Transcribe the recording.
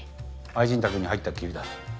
愛人宅に入ったっきりだ。